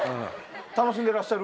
楽しんでらっしゃる？